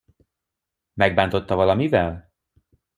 Megbántotta valamivel?